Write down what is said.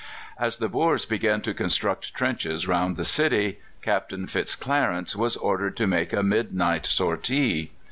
As the Boers began to construct trenches round the city, Captain Fitzclarence was ordered to make a midnight sortie.